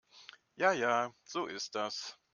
Ja ja, so ist das.